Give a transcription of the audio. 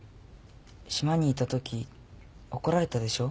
島にいたとき怒られたでしょう？